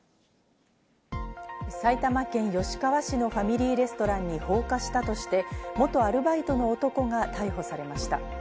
埼玉県吉川市のファミリーレストランに放火したとして、元アルバイトの男が逮捕されました。